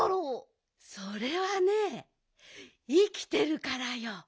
それはねいきてるからよ。